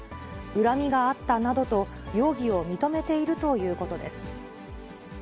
恨みがあったなどと、容疑を認めているということです。